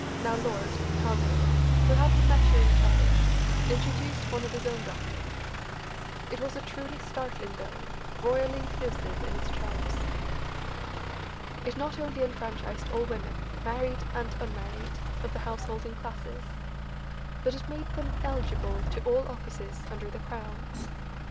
(now Lord) Haldane, who had the measure in charge, introduced one of his own drafting. It was a truly startling bill, royally inclusive in its terms. It not only enfranchised all women, married and unmarried, of the householding classes, but it made them eligible to all offices under the Crown.